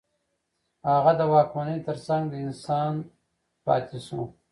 هغه د واکمنۍ ترڅنګ د انسان پاتې شو.